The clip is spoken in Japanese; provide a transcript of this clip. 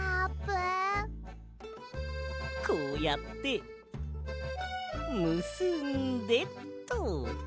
こうやってむすんでと。